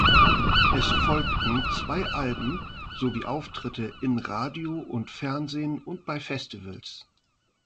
Es folgten zwei Alben sowie Auftritte in Radio und Fernsehen und bei Festivals.